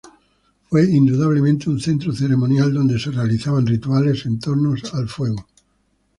Fue indudablemente un centro ceremonial donde se realizaban rituales en torno al fuego.